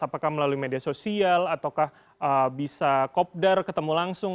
apakah melalui media sosial ataukah bisa kopdar ketemu langsung